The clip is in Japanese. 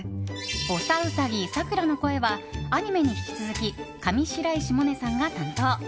ぼさうさぎ、さくらの声はアニメに引き続き上白石萌音さんが担当。